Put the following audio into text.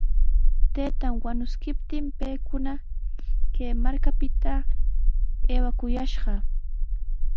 Taytan wañuskiptin paykuna kay markapita aywakuyashqa.